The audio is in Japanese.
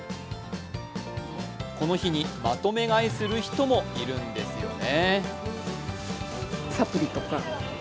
この日にまとめ買いする人もいるんですよね。